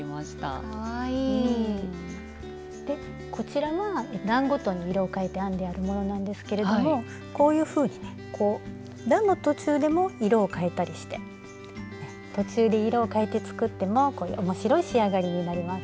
こちらは段ごとに色を変えて編んであるものなんですけれどもこういうふうにね段の途中でも色を変えたりして途中で色を変えて作っても面白い仕上がりになります。